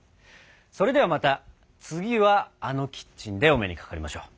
それではまた次はあのキッチンでお目にかかりましょう。